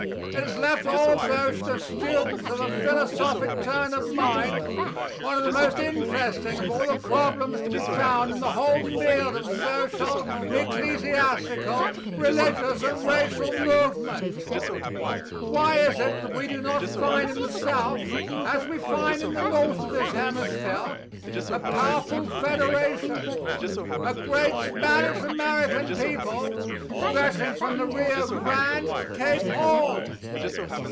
It has left also to students of a philosophic turn of mind one of the most interesting of all the problems to be found in the whole field of social, ecclesiastical, religious, and racial movement. Why is it that we do not find in the south as we find in the north of this hemisphere a powerful federation a great Spanish American people stretching from the Rio Grande to Cape Horn?